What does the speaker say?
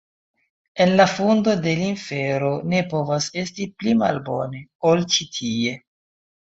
En la fundo de l' infero ne povas esti pli malbone, ol ĉi tie.